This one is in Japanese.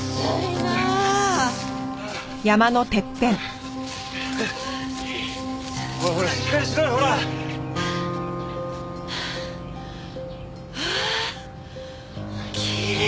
わあきれい！